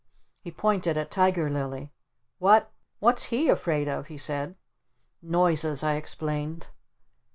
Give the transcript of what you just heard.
He pointed at Tiger Lily. "What What's HE afraid of?" he said. "Noises," I explained.